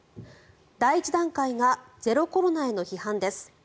第１段階がゼロコロナへの批判です。